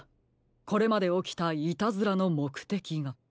これまでおきたイタズラのもくてきが。